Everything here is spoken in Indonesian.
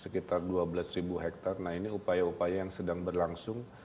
sekitar dua belas ribu hektare nah ini upaya upaya yang sedang berlangsung